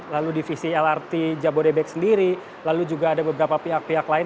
lalu divisi lrt jabodebek sendiri lalu juga ada beberapa pihak pihak lain